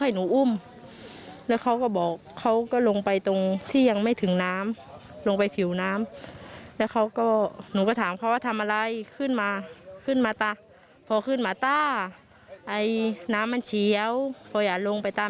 หนูก็ถามเขาว่าทำอะไร